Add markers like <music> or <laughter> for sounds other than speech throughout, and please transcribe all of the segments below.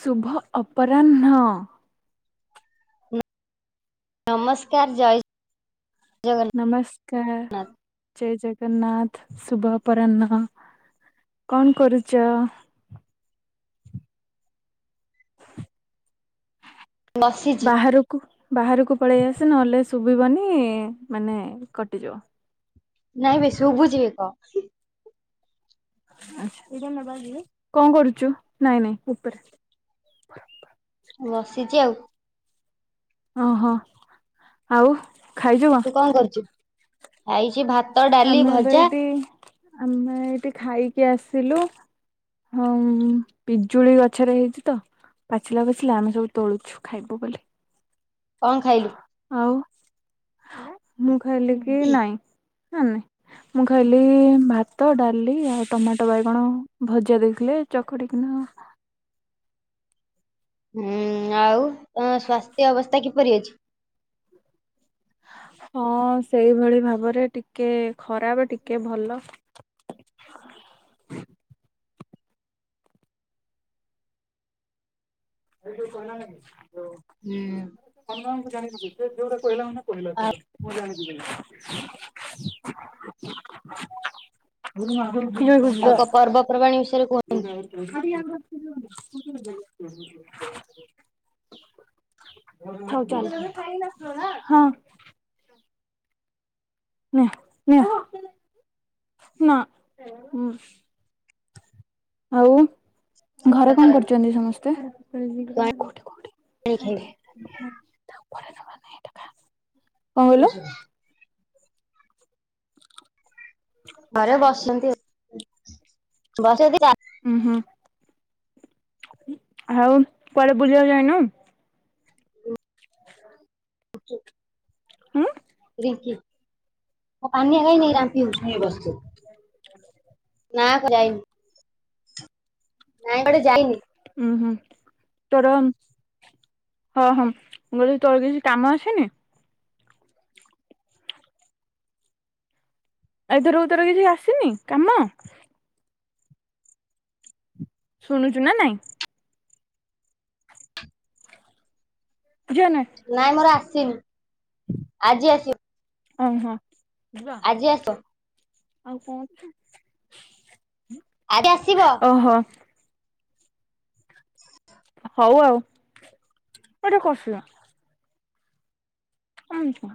ଶୁଭ ଅପରାହ୍ନ। ନମସ୍କାର, ଜୟ ଜଗନ୍ନାଥ। ନମସ୍କାର, ଜୟ ଜଗନ୍ନାଥ, ଶୁଭ ଅପରାହ୍ନ। କନ୍ କରୁଚ? ନସି ବାହାରକୁ, ବାହାରକୁ ପଳେଇ ଆସେ, ନହେଲେ ଶୁଭିବନି, ମାନେ କଟିଯିବ। ନାଇଁ ବେ, ଶୁଭୁଚିବେ କହ? ଆଛା, କଣ କରୁଚୁ? ନାଇଁ ନାଇଁ ଉପରେ। ବସିଚି ଆଉ। ଅ ହ ଆଉ ତୁ କଣ କରୁଚୁ? ଖାଇଚି ଭାତ, ଡାଲି, ଆମେ ଏବେ ଭଜା। ଏଇଠି ଆମେ ଏଇଠି ଖାଇକି ଆସିଲୁ। ହଁ, ପିଜୁଳି ଗଛରେ ହେଇଚି ତ? ପାଚିଲା, ପାଚିଲା, ଆମେ ସବୁ ତୋଳୁଚୁ ଖାଇବୁ ବୋଲି। କଣ ଖାଇଲୁ? ଆଉ, ମୁଁ ଖାଇଲି କି ନାଇଁ, ନାନି ମୁଁ ଖାଇଲି ଭାତ, ଡାଲି ଆଉ ଟମାଟୋ ବାଇଗଣ ଭଜା ଦେଇଥିଲେ ଚକଡିକିନା ହୁଁ, ଆଉ ତମ ସ୍ୱାସ୍ଥ୍ୟ ଅବସ୍ଥା କିପରି ଅଛି? ହଁ, ସେଇଭଳି ଭାବରେ, ଟିକେ ଖରାପ, ଟିକେ ଭଲ। <unintelligible> ହୁଁ। ସାନ ମାମୁଁ ଙ୍କୁ ଜାଣିଥିବୁ, ସେ ଯୋଉଟା କହିଲା ମାନେ କହିଲା ଆଉ ଚାଲ, ମୁଁ ଜାଣିଯିବିଣି। ମୁଁ ସିନା ଆଗୁରୁ ଉଠିଲେ ସିଏ ଯିବ। ପର୍ବାଣୀ ବିଷୟରେ କୁହନ୍ତି। <unintelligible> ହଉ ଚାଲ, ହଁ। ନେ ନେ ନା। ଆଉ ଘରେ କଣ କରୁଚନ୍ତି ସମସ୍ତେ? <unintelligible> <unintelligible> ଘରେ ବସିଚନ୍ତି ଆଉ, ବସିଥିଲା। ଉ ହୁଁ, ଆଉ କୁଆଡେ ବୁଲିବାକୁ ଯାଇନୁ? <unintelligible> ହଁ। ରିିଙ୍କି, ମୋ ପାନୀୟ କାଇ ନାଇ? ଟାଙ୍କି ଉପରେ କାଇଁ ବସିଚ? ନା ଖରା ହେଇନି। ନାଇଁ ଏପଟେ ଯାଇନି। ଉୁଁ ହୁଁ, ତୋର ହଁ ହଁ ମୁଁ ଗୋ ତୋର କିଛି କାମ ଅସେନି। ଏଥର ଉଥର କିଛି ଆସିନି କାମ। ଶୁଣୁଛୁ ନା ନାଇଁ। ଜାନା। ନାଇଁ ମୋର ଆସିନି ଆଜି ଆସିବ। ଓହୋ। ଆଜି ଆସିବ ଆଉ କଣ ଆଜି ଆସିବ। ଓହୋ। <inaudible> ହଉ ଆଉ। ଏଟା କସିବା। ଆନ୍ତ।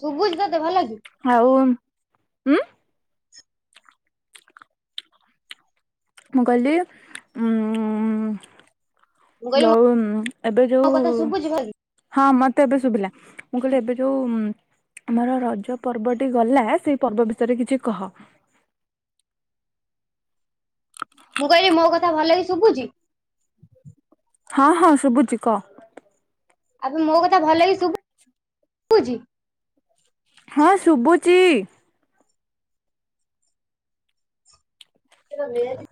ସୁଭୁଚି ତତେ ଭଲ କି? ହଉ ହୁଁ। ମୁଁ ଗଲି ଉଁ ମୁଁ କହିଲି ଯଉ ଏବେ ମୋ କଥା ଯୋଉ ଶୁଭୁଛି ଭଲ କି? ହଁ ମତେ ଏବେ ଶୁଭିଲା। ମୁଁ କହିଲି ଏବେ ଯୋଉ ଆମର ରଜ ପର୍ବଟି ଗଲା ସେଇ ପର୍ବ ବିଷୟରେ କିଛି କହ। ମୁଁ କହିଲି ମୋ କଥା ଭଲକି ଶୁଭୁଛି? ହଁ ହଁ ଶୁଭୁଛି କହ। ଆବେ ମୋ କଥା ଭଲକି ଶୁଭୁଛି। ହଁ ଶୁବୁଚି। ସେଟା ଭେଜେ।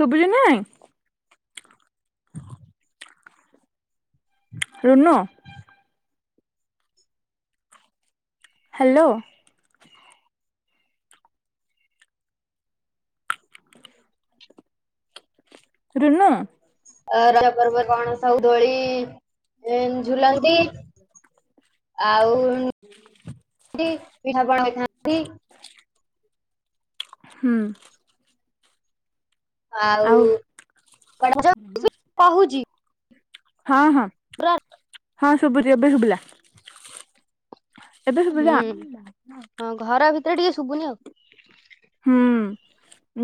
ସୁବୁଚି ନା ନାଇଁ। ରୁନୁ। ହ୍ୟାଲୋ। ରୁନୁ। ଆ ରଜ ପବ କଣ ସବୁ ଦୋଳି ଝୁଲନ୍ତି? ଆଉ ପିଠାପଣା ହେଇଥାନ୍ତି। ହୁଁ। ଆଉ <unintelligible> କହୁଛି। ହଁ ହଁ ପୁରା ହଁ ଶୁଭୁଛି ଏବେ ଶୁଭିଲା। ଏବେ ଶୁଭିଲା। ହୁଁ ହଁ ଘର ଭିତରେ ଟିକେ ଶୁଭୁନି ଆଉ ହୁଁ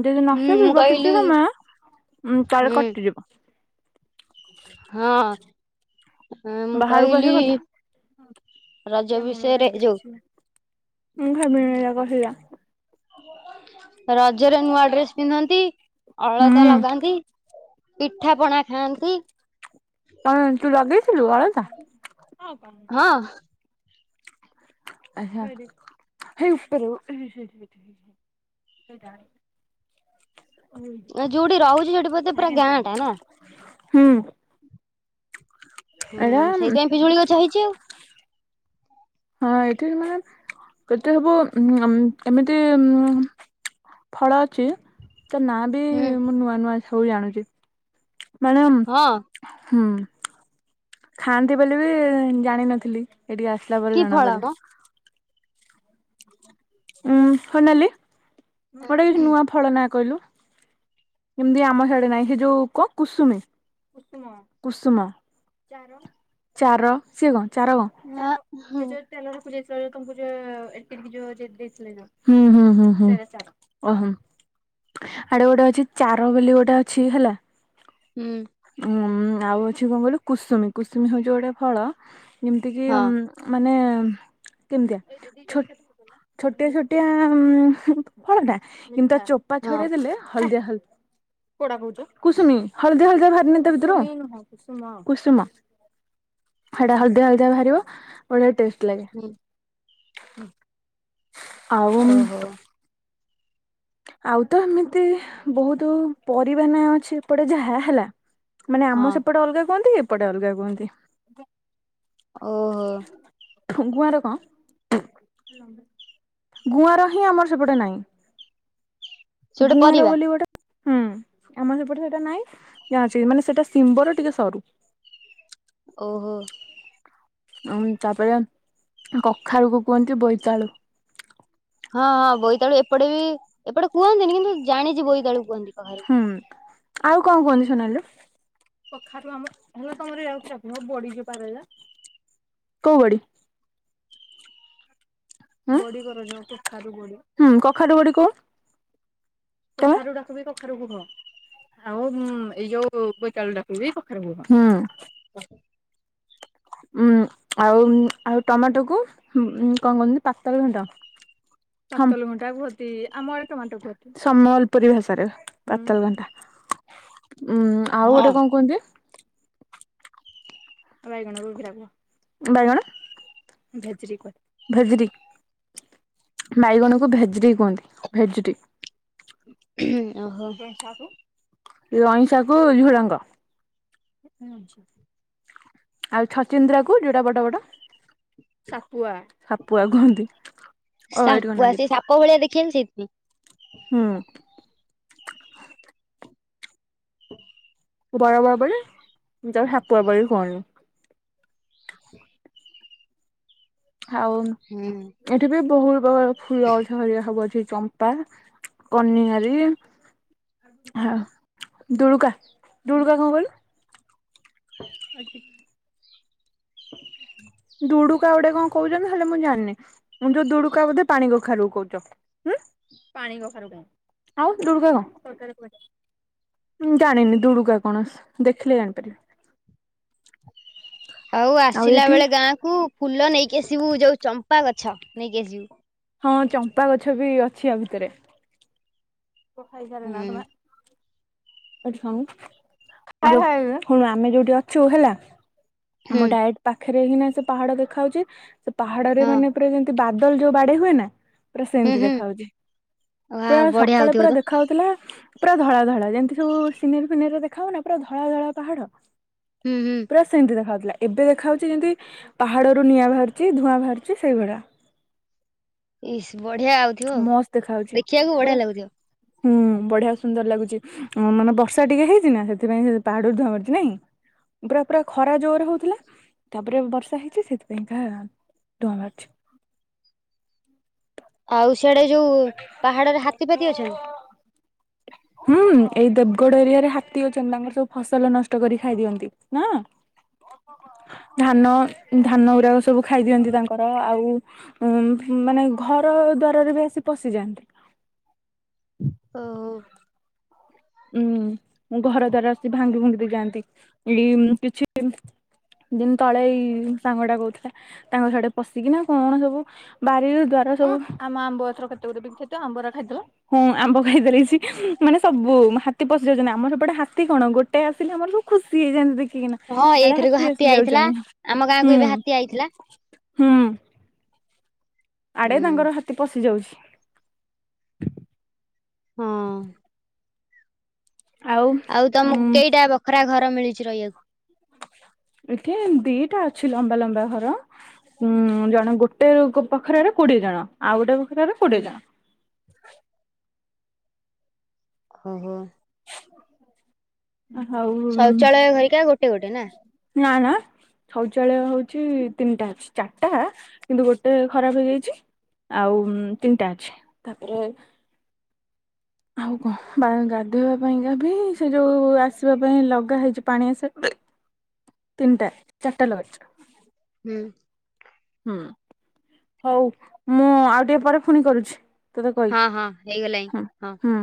ଯଦି ନ ହୁଁ ମୁଁ ଶୁଭିବ କହିଲି କିଛି ସମୟ ଉଁ ତାହାଲେ ହୁଁ କଟିଯିବ। ହଁ। ହଁ ମୁଁ ବାହାରକୁ ଆସି କହିଲି କଥା। ତା ରଜ ମୂଳଟା ବିଷୟରେ ଏତେ ଏ ଯୋଉ ପାଚିଲା। ମୁଁ ଭାବିନି ଏରା କହିଲା। ରଜରେ ନୂଆ ଡ୍ରେସ ପିନ୍ଧନ୍ତି। ଅଳତା ହୁଁ ଲଗାନ୍ତି। ପିଠା ପଣା ଖାଆନ୍ତି। କଣ ତୁ ଲଗେଇଥିଲୁ ଅଳଦା। ହଁ। ଆ ହେଇ ଉପରକୁ। ସେଇଟା ଆଣିବି। ଯୋଉଠି ରହୁଛି ସେଇଠି ବୋତେ ପୁରା ଗାଁଟା ନା। ହୁଁ। ହୁଁ ସେଇଥିପାଇଁ ପିଜୁଳି ଗଛ ହେଇଛି ଆଉ। ହଁ ଏଠି ମାନେ କେତେ ହବ ଏମିତି ଉଁ ଫଳ ଅଛି ତ ନା ବି ହୁଁ। ମୁଁ ନୂଆ ନୂଆ ସବୁ ଜାଣୁଚି ମାନେ ହଁ ହୁଁ। ଖାଆନ୍ତି ବୋଲି ବି ଜାଣିନଥିଲି ଏଠିକି ଆସିଲା କି ପରେ ଫଳ ଜଣାପଡିଲା। ମ? ହୁଁ ହନାଲିି କୁଆଡେ କିଛି ନୂଆ ଫଳ ନା କହିଲୁ ଯେମିତି ଆମ ହିଆଡେ ନାଇଁ ହେ ଯୋଉ କ କୁସୁମୀ। କୁସୁମ, ଚାର। ସିଏ କଣ ଚାର କଣ? ହୁଁ ଆ ହୁଁ। ହୁଁ ହୁଁ ହୁଁ ଓହମ୍ ଆଡେ ଗୋଟେ ଅଛି ଚାର ବୋଲି ଗୋଟେ ଅଛି ହେଲା। ହୁଁ। ଉଁ ଆଉ ଅଛି କଣ କହିଲୁ କୁସୁମୀ କୁସୁମୀ ହଉଛି ଗୋଟେ ଫଳ ଯେମିତି କିି ହଁ ଉଂ ମାନେ କେମିତିଆ ଛ ଛୋଟିଆ ଛୋଟିଆ ଫଳଟା କିନ୍ତୁ ଚୋପା ହଁ ଛଡେଇ ଦେଲେ ହଳଦିଆ ହଳ କୁୁସୁମି ହଳଦି ହଳଦିଆ ବାହାରିନି ତ ଭିତରୁ। କୁସୁମ ହେଟା ହଳଦିଆ ହଳଦିଆ ବାହାରିବ ବଢିଆ ଟେଷ୍ଟ ଲାଗେ। ହୁଁ। ଆଉ ଓ ହଉ। ଆଉ ତ ଏମିତି ବହୁତୁ ପରିବା ନାଁ ଅଛି ଏପଟେ ଯାହା ହେଲା। ମାନେ ଆମ ହଁ ସେପଟେ ଅଲଗା କୁହନ୍ତି ଏପଟେ ଅଲଗା କୁହନ୍ତି। ଓ ହୋ ଗୁଆର କଁ ଗୁଆଁର ହିଁ ଆମର ସେପଟେ ସେ ନାହିଁ ଗୋଟେ ଗୁଆଁର ପରିବା ବୋଲି ଗୋଟେ ହୁଁ ଆମର ସେପଟେ ସେଟା ନାଇଁ ଯା ଅଛି ମାନେ ସେଟା ସିମ୍ବର ଟିକେ ସରୁ। ଓହୋ। ଉଁ ତାପରେ କଖାରୁକୁ କୁହନ୍ତି ବୋଇତାଳୁ। ହଁ ହଁ ବୋଇତାଳୁ ଏପଟେ ବି ଏପଟେ କୁହନ୍ତିନି କିନ୍ତୁ ଜାଣିଚି ବୋଇତାଳୁ କୁହନ୍ତି <unintelligible> ହୁଁ ଆଉ କଣ କୁହନ୍ତି ସୋନାଲୁ କୋଉ ବଡି? ହୁଁ କଖାରୁ ବଡି କ କଖାରୁ ରାକୁ ବି କଖାରୁ କୁହ। ଆଉ ଏଇ ଯୋଉ ବୈତାଳୁ ଟାକୁ ବି କଖରୁ କୁହ ଉଁ ଆଉ ଆଉ ଟମାଟୋ କୁ ଉଁ କଣ କୁହନ ପାତଳ ଘୁଣ୍ଟ ସମ୍ବଲପୁରୀ ଭାଷାରେ ପାତଲ ଘଣ୍ଟା ଉଁ ଆଉ ହଁ ଗୋଟେ କଣ କୁହନ୍ତି। ବାଇଗଣ <unintelligible> କୁହ ଭେଜିରୀ କହି ବାଇଗଣକୁ ଭେଜିରି କୁହନ୍ତି ଭେଜିରି। ଓହୋ। ଲଇଁସାଗୁ ଝୁଡ଼ଙ୍ଗ। ଆଉ ଛଚିନ୍ଦ୍ରା କୁ ଯୋଉଟା ବଡ ବଡ। ସାପୁଆ କୁହନ୍ତି। ଓ ଏଇଠି କଣ ସାପୁଆ ନାଗିଛି ସେ ସାପ ଭଳିଆ ଦେଖେବାକୁ ସେଇଥିପାଇଁ। ହୁଁ। <unintelligible> ହଉ। ହୁଁ। ଏଠି ବି ବହୁ ପ୍ରକାର ଫୁଲ ଗଛହେରିକା ସବୁ ଅଛିମ ଚମ୍ପା କନିଆାରୀ ହାଁ ଦୁଳୁକା ଦୁଳୁକା କଣ କହିଲୁ? <unintelligible> ଦୁଡୁକା ଗୋଟେ କଣ? କହୁଛନ୍ତି ହେଲେ ମୁଁ ଜାଣିନି। ମୁଁ ଯୋଉ ଦୁଡୁକା ବୋଧେ ପାଣି କଖାରୁୁ କୋହୁଚ ହୁଁ? ପାଣି କଖାରୁ କାଇଁ। ଆଉ ଦୁଡୁକା କଣ? ମୁଁ ଜାଣିନି ଦୁଡୁକା କଣ ଦେଖିଲେ ଜାଣିପାରିବି। ଆଉ ଆସିଲା ବେଳେ ଗାଁ କୁ ଫୁଲ ନେଇକି ଆସିବୁ ଯୋଉ ଚମ୍ପା ଗଛ ନେଇକି ଆସିବୁ। ହଁ ଚମ୍ପା ଗଛ ବି ଅଛି ଆ ଭିତରେ। କଥା ହେଇସାରିନା ହୁଁ ତମେ ଏଇଠି ଖାଉଁ। ଆମେ ଯୋଉଠି ଅଛୁ ହେଲା ହୁଁ ଆମ ଡାଏଡ଼ ପାଖରେ ହିଁ ନା ସେ ପାହାଡ ଦେଖା ହୋଉଚି ସେ ପାହାଡରେ ହଁ ମାନେ ପୁରା ଯେମିତି ବାଦଲ ଯୋଉ ବାଡେଇ ହୁଏନା। ପୁରା ହୁଁ ସେମିତି ହୁଁ। ଦେଖାହଉଛି। ବା ପୁରା ବଢିଆ ସକାଳେ ହଉଥିବ ପୁରା ତ। ଦେଖା ହଉଥିଲା ପୁରା ଧଳା ଧଳା ଯେମିତି ଯୋଉ ସିନେରି ଫିନେରି ରେ ଦେଖା ହୋଉନି ନା ପୁରା ଧଳା ଧଳା ପାହାଡ। ହୁଁ ହୁଁ। ପୁରା ସେମିତି ଦେଖାହୋଉଥିଲା ଏବେ ଦେଖାହେଉଛି ଯେମିତି ପାହାଡ଼ରୁ ନିଆଁ ବାହାରୁଚି ଧୂଆଁ ବାହାରୁଚି ସେଇଭଳିଆ। ଇସ ବଢିଆ ଆଉଥିବ ଆଉ ମସ୍ତ ଦେଖାଯାଉଛି ଦେଖିବାକୁ ପୁରା ବଢିଆ ଲାଗୁଥିବ। ହୁଁ ବଢିଆ ସୁନ୍ଦର ଲାଗୁଛି ମାନେ ବର୍ଷା ଟିକେ ହେଇଛି ନା ସେଥିପାଇଁ ସେ ପାହାଡୁରୁ ଧୂଆଁ ବାହାରୁଛି ନାଇଁ। ପୁରା ପୁରା ଖରା ଜୋର ହଉଥିଲା ତାପରେ ବର୍ଷା ହେଇଛି ସେଥିପାଇଁ କା ଧୂଆଁ ବାହାରୁଚି। ଆଉ ସିଆଡେ ଯୋଉ ପାହାଡରେ ହାତୀଫାତି ଅଛନ୍ତି? ହୁଁ ଏଇ ଦେବଗଡ ଏରିଆ ରେ ହାତୀ ଅଛନ୍ତି ତାଙ୍କର ସବୁ ଫସଲ ନଷ୍ଟ କରି ଖାଇଦିଅନ୍ତି ନା। ଧାନ ଧାନ ଗୁରାକ ସବୁ ଖାଇ ଦିଅନ୍ତି ତାଙ୍କର। ଆଉ ଉଁ ମାନେ ଘର ଦ୍ଵାରରେ ବି ଆସି ପଶିଯାଆନ୍ତି। ଓହୋ। ଉଁ ଘର ଦ୍ଵାର ଆସି ଭାଙ୍ଗି ଭୁଙ୍ଗି ଦେଇ ଯାଆନ୍ତି ଏଇ କିଛି ଦିନ ତଳେ ଏଇ ସାଙ୍ଗ ଟା କହୁଥିଲା ତାଙ୍କ ସେଆଡେ ପଶିକିନା କଣ ସବୁ ବାରି ରୁ ଦ୍ଵାର ସବୁ ଆମ ଆମ୍ବଗଛର କେତେ ଗୁରେ ବି କ୍ଷତି ଆମ୍ବଗୁରା ଖାଇଦେଲା। ହୁଁ ଆମ୍ବ ଖାଇଦେଲେଇଛି ମାନେ ସବୁ ହାତୀ ପଶି ଯାଉଛନ୍ତି ଆମର ସେପଟ ହାତୀ କଣ ଗୋଟେ ଆସିଲେ ଆମର ସବୁ ଖୁସି ହେଇଯାନ୍ତି ଦେଖିକିନା। ଆଡେ ଏଇଥରକ ହାତୀ ଆସି ଯାଉଚ ଆଇଥିଲା ନି ଆମ ଗାଁକୁ ଏବେ ହୁଁ। ହାତୀ ଆଇଥିଲା। ହୁଁ। ଆଡ଼େ ହଁ ତାଙ୍କର ହାତୀ ପଶି ଯାଉଛି। ହଁ। ଆଉ ଉଁ ତମକୁ କେଇଟା ବଖରା ଘର ମିଲିଚି ରହିବାକୁ? ଏଠି ଦିଟା ଅଛି ଲମ୍ବା ଲମ୍ବା ଘର। ଉଁ ଜଣେ ଗୋଟେ ବଖରାରେ କୋଡିଏ ଜଣ। ଆଉ ଗୋଟେ ବଖରାରେ କୋଡିଏ ଜଣ। ଓହୋ। ହଉ ଶୌଚାଳୟ ଘରିକା ଗୋଟେ ଗୋଟେ ନା? ନା ନା। ଶୌଚାଳୟ ହଉଛି ତିନିଟା ଚାରଟା। କିନ୍ତୁ ଗୋଟେ ଖରାପ ହେଇଯାଇଛି। ଆଉ ତିନିଟା ଅଛି। ତାପରେ ଆଉ କଣ ଗାଧୋଇବା ପାଇଁକାବି ସେ ଯୋଉ ଆସିବା ପାଇଁ ଲଗା ହେଇଛି ପାଣି ଆସିବା ତିନଟା ଚାରିଟା ଲଗା ହେଇଚି। ହୁଁ। ହଉ ମୁଁ ଆଉ ଟିକେ ପରେ ପୁଣି କରୁଛି। ତତେ ହଁ କହିକି ହଁ ହେଇଗଲାଇଁ ହୁଁ ହଁ। ହୁଁ।